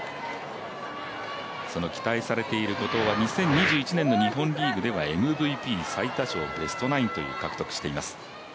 その期待されている後藤は、２０２１年の日本リーグではＭＶＰ、最多勝ベストナインと獲得しています。